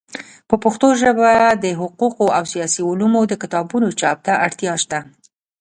په پښتو ژبه د حقوقو او سیاسي علومو د کتابونو چاپ ته اړتیا سته.